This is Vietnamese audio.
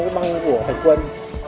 cánh của thạch quân